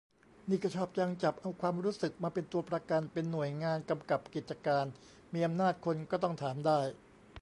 นี่ก็ชอบจัง จับเอาความรู้สึกมาเป็นตัวประกัน เป็นหน่วยงานกำกับกิจการ มีอำนาจ คนก็ต้องถามได้